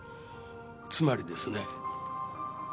つまりですね